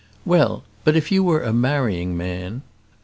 "Well; but if you were a marrying man."